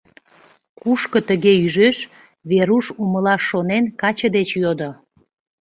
Кушко тыге ӱжеш — Веруш, умылаш шонен, каче деч йодо.